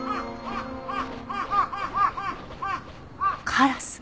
カラス。